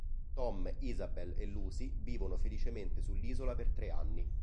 Tom, Isabel e Lucy vivono felicemente sull'isola per tre anni.